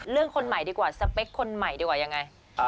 คนใหม่ดีกว่าสเปคคนใหม่ดีกว่ายังไง